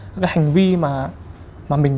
các cái hành vi mà mình